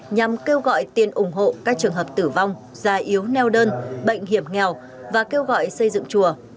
nhằm kêu gọi tiền ủng hộ các trường hợp tử vong già yếu neo đơn bệnh hiểm nghèo và kêu gọi xây dựng chùa